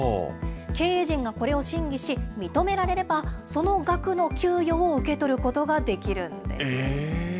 経営陣がこれを審議し、認められれば、その額の給与を受け取ることができるんです。